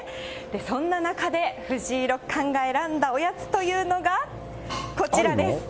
そんな中で藤井六冠が選んだおやつというのが、こちらです。